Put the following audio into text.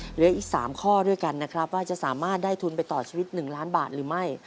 เหลืออีก๓ข้อด้วยกันนะครับว่าจะสามารถได้ทุนไปต่อชีวิต๑ล้านบาทหรือไม่